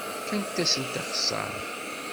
Fkemt-asen axeṣṣar.